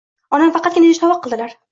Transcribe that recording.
Onam faqatgina idish-tovoq qildilar.